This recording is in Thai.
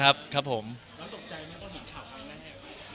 อเจมส์แล้วตกใจไหมต้องถึงข่าวข้างหน้าให้ไหม